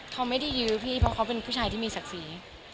เขาไม่ได้ยื้อพี่เพราะเขาเป็นผู้ชายที่มีศักดิ์ศรี